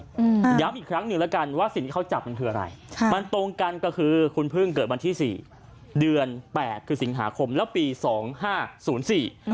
อืมย้ำอีกครั้งหนึ่งแล้วกันว่าสิ่งที่เขาจับมันคืออะไรใช่มันตรงกันก็คือคุณเพิ่งเกิดวันที่สี่เดือนแปดคือสิงหาคมแล้วปีสองห้าศูนย์สี่